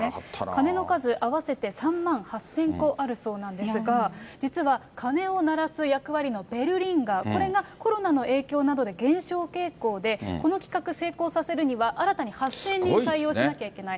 鐘の数合わせて３万８０００個あるそうなんですが、実は、鐘を鳴らす役割のベルリンガー、これが、コロナの影響などで減少傾向で、この企画、成功させるには、新たに８０００人採用しなきゃいけない。